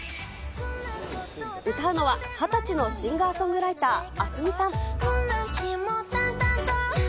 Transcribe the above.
歌うのは、２０歳のシンガーソングライター、アスミさん。